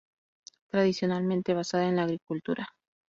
Tradicionalmente basada en la agricultura.